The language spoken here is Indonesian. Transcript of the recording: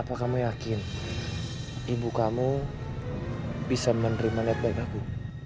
apa kamu yakin ibu kamu bisa menerima niat baik aku